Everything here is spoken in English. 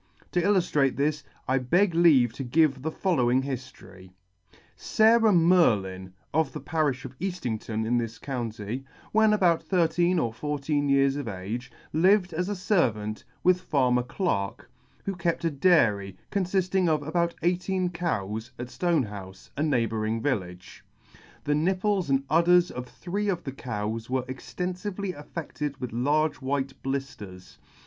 To illuftrate this, I beg leave to give the following hiftory : SARAH MERLIN, of the parifh of Eaftington in this county, when about thirteen or fourteen years of age, lived as a fervant with farmer Clarke, who kept a dairy, confifting of about eighteen cows, at Stonehoufe, a neighbouring village. The nipples and udders of three of the cows were extenfively affedted with large white blifters.